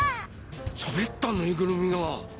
しゃべったぬいぐるみがほう。